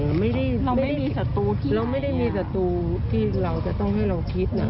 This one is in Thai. เราไม่ได้มีศัตรูที่เราจะต้องให้เราคิดนะ